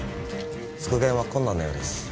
復元は困難なようです